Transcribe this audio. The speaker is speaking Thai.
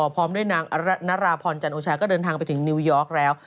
พร้อมด้วยนางนาราพรจันโอชาก็เดินทางไปถึงนิวยอร์กแล้ว